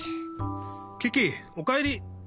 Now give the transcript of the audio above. キキおかえり！